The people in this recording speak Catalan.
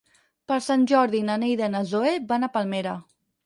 Per Sant Jordi na Neida i na Zoè van a Palmera.